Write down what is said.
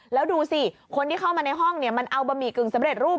แล้วดูสิคนที่เข้ามาในห้องมันเอาบะหมี่กึ่งสำเร็จรูป